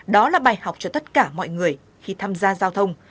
đó là bài học cho tất cả mọi người khi tham gia giao thông